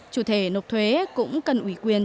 chủ thể nộp thuế cũng cần ủy quyền